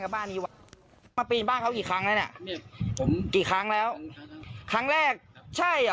ไม่รู้ว่าบ้านเขานี่